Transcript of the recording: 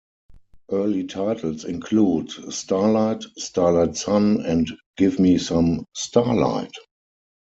Early titles include "Starlight", "Starlight Sun" and "Give Me Some Starlight".